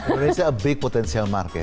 indonesia a big potential market